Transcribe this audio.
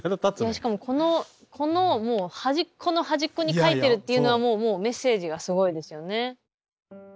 しかもこの端っこの端っこに描いてるっていうのはもうもうメッセージがすごいですよね。